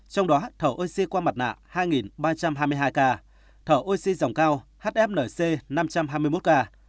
trong đó thở oxy qua mặt nạ hai ba trăm hai mươi hai ca thở oxy dòng cao hfnc năm trăm hai mươi một ca